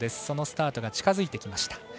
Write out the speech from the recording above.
そのスタートが近づいてきました。